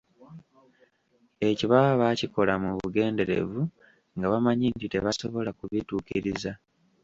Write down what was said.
Ekyo baba baakikola mu bugenderevu nga bamanyi nti tebasobola kubituukiriza.